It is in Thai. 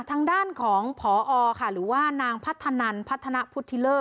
ทางด้านของพอค่ะหรือว่านางพัฒนันพัฒนาพุทธิเลอร์